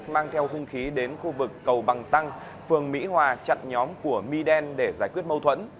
mang theo hung khí đến khu vực cầu bằng tăng phường mỹ hòa chặn nhóm của mi đen để giải quyết mâu thuẫn